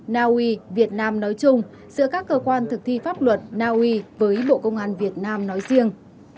naui việt nam nói chung giữa các cơ quan thực thi pháp luật naui với bộ công an việt nam nói riêng